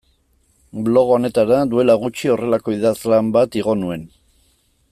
Blog honetara duela gutxi horrelako idazlan bat igo nuen.